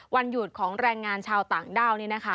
วันหยุดของแรงงานชาวต่างด้าวนี่นะคะ